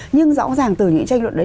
nhưng rõ ràng từ những tranh luận đấy